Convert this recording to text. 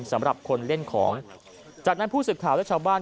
สำหรับคนเล่นของจากนั้นผู้สื่อข่าวและชาวบ้าน